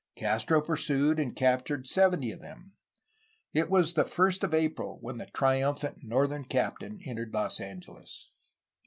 Castro pursued, and captured seventy of them. It was the 1st of April when the triumphant northern captain entered Los Angeles.